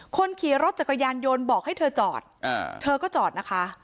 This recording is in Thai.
คนขี่รถจักรยานยนต์บอกให้เธอจอดเธอก็จอดนะคะ